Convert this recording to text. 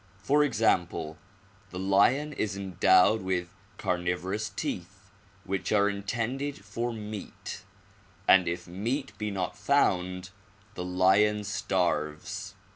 For example, the lion is endowed with carnivorous teeth which are intended for meat and if meat be not found, the lion starves.